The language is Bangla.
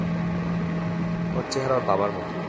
ওর চেহারা ওর বাবার মতো।